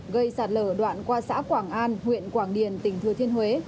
gây sạt lở đoạn qua xã quảng an huyện quảng điền tỉnh thừa thiên huế